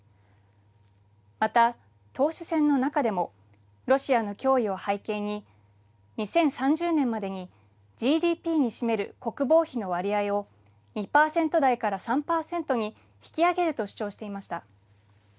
また、党首選の中でもロシアの脅威を背景に２０３０年までにＧＤＰに占める国防費の割合を２％台から３％に引き上げると主張していました。